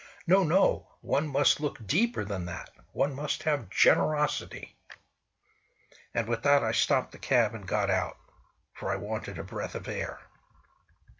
No, no! One must look deeper than that! One must have generosity!" And with that I stopped the cab and got out for I wanted a breath of air.